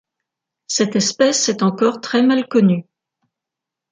Cette espèce est encore très mal connue.